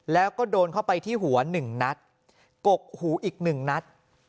แล้วก็โดนเข้าไปที่หัว๑นัดกกหูอีก๑นัด